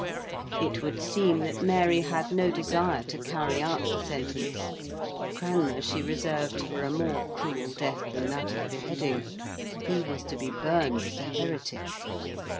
It would seem that Mary had no desire to carry out the sentence: Cranmer she reserved for a more cruel death than that of beheading he was to be burned as a heretic.